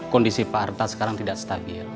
kondisi pak harta sekarang tidak stabil